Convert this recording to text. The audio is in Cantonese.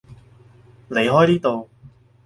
離開呢度